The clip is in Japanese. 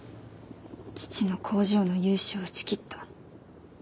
父の工場の融資を打ち切った。